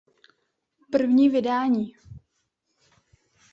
První vydání.